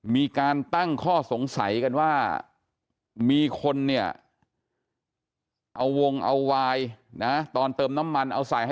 มีการตั้งข้อสงสัยกันว่ามีคนเนี่ยเอาวงเอาวายนะตอนเติมน้ำมันเอาใส่ให้